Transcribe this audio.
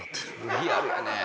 リアルやねぇ。